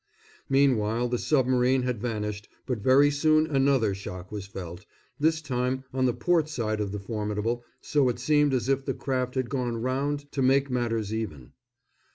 Meanwhile the submarine had vanished, but very soon another shock was felt, this time on the port side of the Formidable, so it seemed as if the craft had gone round to make matters even.